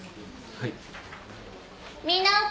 はい。